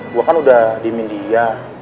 gue kan udah diimin dia